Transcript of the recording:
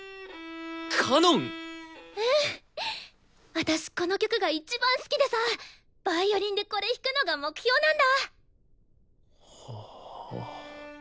私この曲がいちばん好きでさヴァイオリンでこれ弾くのが目標なんだ！